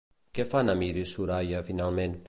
Què fan Amir i Soraya finalment?